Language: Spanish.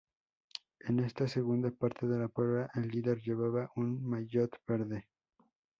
En esta segunda parte de la prueba el líder llevaba un maillot verde.